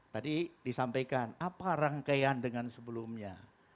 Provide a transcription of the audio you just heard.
tadi disampaikan apa rangkaian dengan sebelumnya